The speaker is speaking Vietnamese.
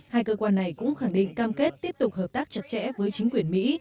hai cơ quan này cũng khẳng định cam kết tiếp tục hợp tác chặt chẽ với chính quyền mỹ